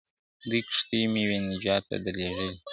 دوې کښتۍ مي وې نجات ته درلېږلي ,